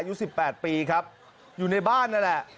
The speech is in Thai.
อายุ๑๘ปีครับอยู่ในบ้านนั่นแหละ